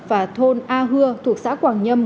và thôn a hưa thuộc xã quảng nhâm